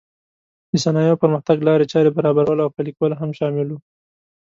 د صنایعو پرمختګ لارې چارې برابرول او پلې کول هم شامل و.